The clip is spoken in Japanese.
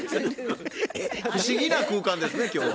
不思議な空間ですね今日は。